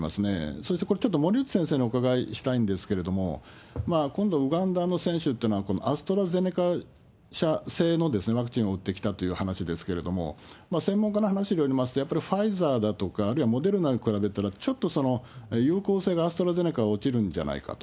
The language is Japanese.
そしてこれ、ちょっと森内先生にお伺いしたいんですけれども、今度ウガンダの選手っていうのは、このアストラゼネカ社製のワクチンを打ってきたという話ですけれども、専門家の話によりますと、やっぱりファイザーだとか、あるいはモデルナに比べたら、ちょっと有効性がアストラゼネカは落ちるんじゃないかと。